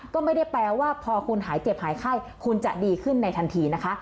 ก็ไม่ได้แปลว่าพอคุณหายเจ็บหายไข้คุณจะดีขึ้นในทันทีนะคะ